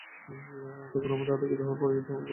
তখন তাদের আতংকিত হওয়া ও পরাজিত হওয়ার ভয় দূর হয়ে যাবে।